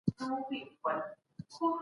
نړیوال قانون د هیوادونو کړني کنټرولوي.